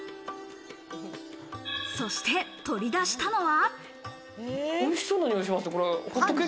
そして取り出したのは。